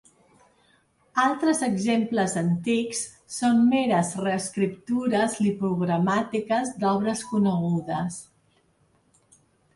Altres exemples antics són meres reescriptures lipogramàtiques d'obres conegudes.